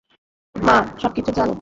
মা সবকিছু জানে।